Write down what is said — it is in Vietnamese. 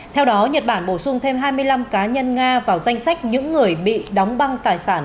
theo đó nhật bản bổ sung thêm hai mươi năm cá nhân nga vào danh sách những người bị đóng băng tài sản